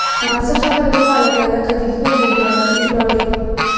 څه خبره ده وهلکه! لکه د ښځو ژاړې!